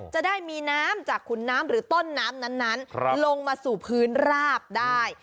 จะได้มีน้ำจากขุนน้ำหรือต้นน้ำนั้นลงมาสู่พื้นราบได้